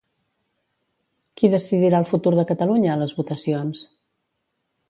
Qui decidirà el futur de Catalunya a les votacions?